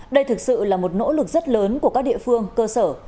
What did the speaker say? đây thực sự là một nỗ lực rất lớn của các địa phương cơ sở